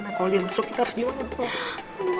kalau dia masuk kita harus gimana